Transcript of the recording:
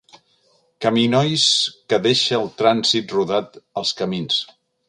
Caminois que deixa el trànsit rodat als camins.